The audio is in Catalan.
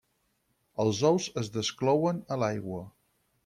Els ous es desclouen a l'aigua.